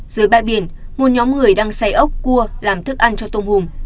dưới bãi biển một nhóm người đang xay ốc cua làm thức ăn cho tôm hùng